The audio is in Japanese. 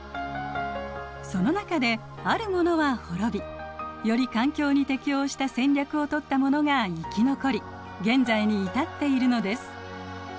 その中であるものは滅びより環境に適応した戦略をとったものが生き残り現在に至っているのです。